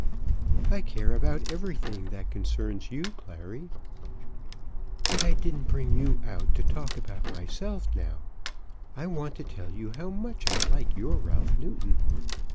"I care about everything that concerns you, Clary." "But I didn't bring you out to talk about myself now. I want to tell you how much I like your Ralph Newton."